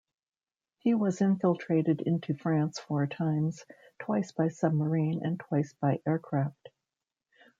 He was infiltrated into France four times, twice by submarine and twice by aircraft.